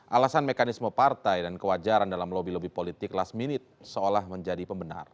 alasan mekanisme partai dan kewajaran dalam lobby lobby politik last minute seolah menjadi pembenar